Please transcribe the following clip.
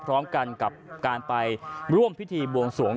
พร้อมกันกับการไปร่วมพิธีบวงสวง